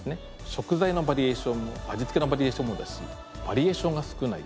食材のバリエーションも味付けのバリエーションもだしバリエーションが少ない。